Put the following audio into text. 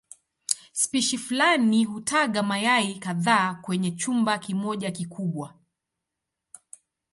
Spishi fulani hutaga mayai kadhaa kwenye chumba kimoja kikubwa.